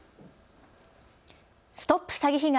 ＳＴＯＰ詐欺被害！